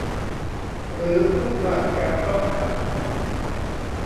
หรือผู้ผ่านการต้องขัง